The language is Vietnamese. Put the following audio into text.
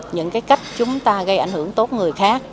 những cái cách chúng ta gây ảnh hưởng tốt người khác